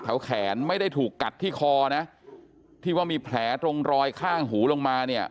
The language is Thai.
แขนไม่ได้ถูกกัดที่คอนะที่ว่ามีแผลตรงรอยข้างหูลงมาเนี่ย